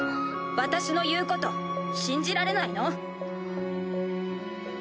私の言うこと信じられないの？